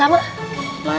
jangan sedih lagi ya mas